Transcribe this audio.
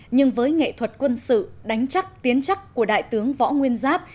nhưng với nghệ thuật quân sự đánh chắc tiến chắc của đại tướng võ nguyên giáp